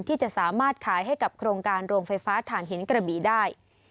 ที่จะสามารถขายให้กับโครงการโรงไฟฟ้าฐานหินกระบีได้